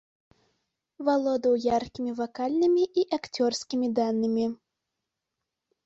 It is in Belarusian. Валодаў яркімі вакальнымі і акцёрскімі данымі.